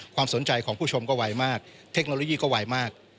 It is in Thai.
ความสนใจของผู้ชมก็ไวมากเทคโนโลยีก็ไวมาก